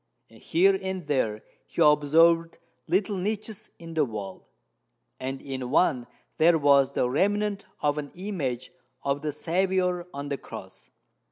Here and there he observed little niches in the wall; and in one there was the remnant of an image of the Saviour on the cross.